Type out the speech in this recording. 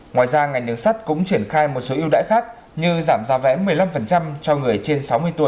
ngoài ra ngành đường sắt cũng triển khai một số yêu đãi khác như giảm giá vé một mươi năm cho người trên sáu mươi tuổi